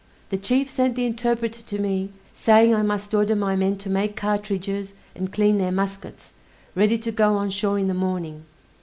The chief sent the interpreter to me, saying I must order my men to make cartridges and clean their muskets, ready to go on shore in the morning.